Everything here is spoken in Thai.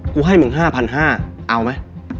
กูให้มึง๕๕๐๐บาทเอาไหม